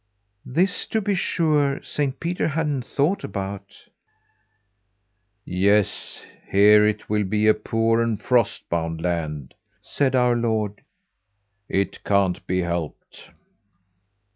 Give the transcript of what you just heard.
"This, to be sure, Saint Peter hadn't thought about. "'Yes, here it will be a poor and frost bound land,' said our Lord, 'it can't be helped.'"